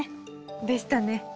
でしたね。